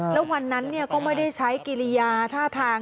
แล้ววันนั้นก็ไม่ได้ใช้กิริยาท่าทาง